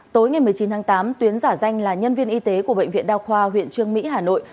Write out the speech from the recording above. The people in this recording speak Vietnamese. tối ngày một mươi chín tháng tám tuyến giả danh là nhân viên y tế của bệnh viện đa khoa huyện trương mỹ hà nội